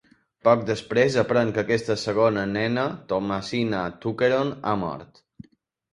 Poc després aprèn que aquesta segona nena, Thomasina Tuckerton, ha mort.